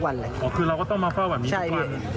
อ๋อคือเราก็ต้องมาเป้าแบบนี้ทุกวัน